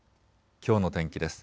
きょうの天気です。